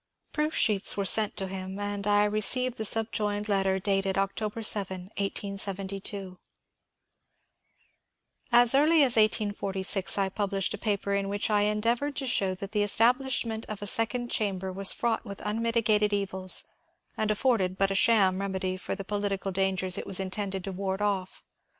Proof sheets were sent 264 MONCURE DANIEL CONWAY him, and I received the subjoined letter dated October 7, 1872 :— As early as 1846 I published a paper in which I endeav oured to show that the establishment of a second chamber was fraught with unmitigated evils, and afforded but a sham remedy for the political dangers it was intended to ward off.